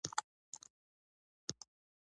دوی بايد له هغو دوو تجربو څخه ګټه واخلي.